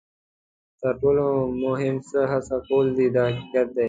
تر ټولو مهم څه هڅه کول دي دا حقیقت دی.